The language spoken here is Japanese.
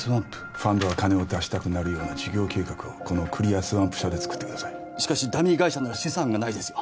ファンドが金を出したくなるような事業計画をこのクリアスワンプ社でつくってくださいしかしダミー会社なら資産がないですよ